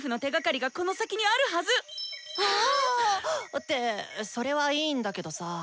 ってそれはいいんだけどさ。